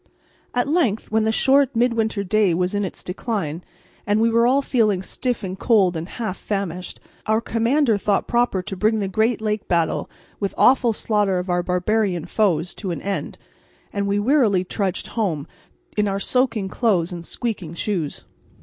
At length, when the short, mid winter day was in its decline, and we were all feeling stiff and cold and half famished, our commander thought proper to bring the great lake battle, with awful slaughter of our barbarian foes, to an end, and we wearily trudged home in our soaking clothes and squeaking shoes.